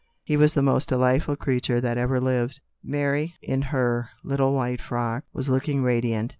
He was the most delightful creature that ever lived." Mary, in her little white frock, was looking radiant.